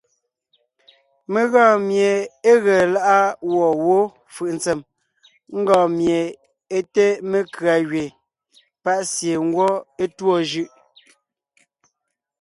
Mé gɔɔn mie é ge lá’a gwɔ̂ wó fʉʼ ntsèm, ńgɔɔn mie é te mekʉ̀a gẅeen, pa’ sie ngwɔ́ é tûɔ jʉ’.